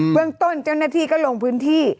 เมืองต้นเจ้าหน้าที่ก็ลงพื้นที่